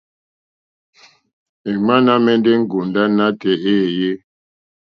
Èŋwánà àmɛ̀ndɛ́ ŋgòndá nátɛ̀ɛ̀ éèyé.